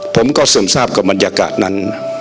เสื่อมทราบกับบรรยากาศนั้น